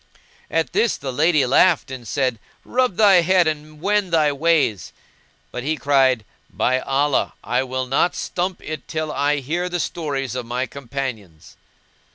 At this the lady laughed and said, "Rub thy head and wend thy ways!"; but he cried, "By Allah, I will not stump it till I hear the stories of my companions."